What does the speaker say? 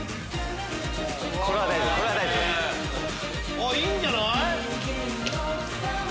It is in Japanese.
お！いいんじゃない？